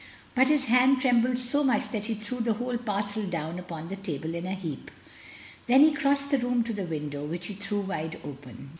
But his hand trembled so much that he threw the whole parcel down upon the table in a heap. Then he crossed the room to the window, which he threw wide open.